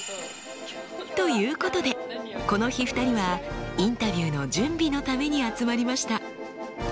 ということでこの日２人はインタビューの準備のために集まりました。